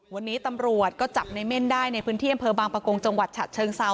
วันนี้ตำรวจก็จับในเม่นได้ในพื้นที่อำเภอบางประกงจังหวัดฉะเชิงเซา